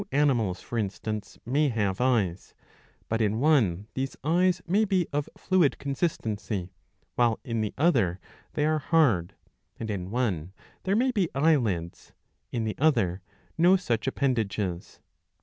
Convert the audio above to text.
Two animals for instance may have eyes. But in one these eyes may be of fluid consistency, while in the other they are hard ; and in one there may be eyelids, in the other no such appendages.